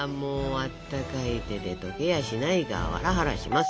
あったかい手で溶けやしないかハラハラします。